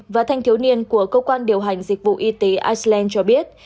và thanh thiếu niên của cơ quan điều hành dịch vụ y tế iceland cho biết